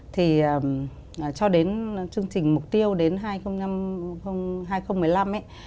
thì cho đến chương trình mục tiêu đến hai nghìn một mươi năm ấy